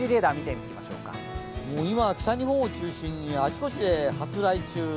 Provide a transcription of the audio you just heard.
北日本を中心にあちこちで発雷中。